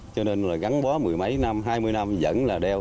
cho nên là gắn bó mười mấy năm hai mươi năm vẫn là đeo